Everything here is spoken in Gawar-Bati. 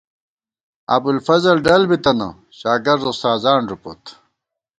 ابُوالفضل ڈل بی تنہ ، شاگرد اُستاذان ݫُپوت